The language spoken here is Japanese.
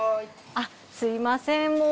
あすみませんもう。